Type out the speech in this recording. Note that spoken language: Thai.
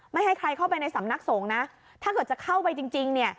ไม่ให้ใครเข้าไปในสำนักสงฆ์นะถ้าเกิดจะเข้าไปจริงเนี่ย